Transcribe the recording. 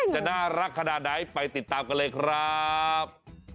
จะน่ารักขนาดไหนไปติดตามกันเลยครับ